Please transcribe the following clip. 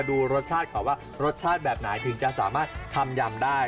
ดอกไม้ที่เราใช้จะเป็นดอกไม้ที่รสไม่ข่มนะคะ